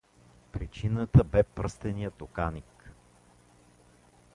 Причината бе пръстеният оканик.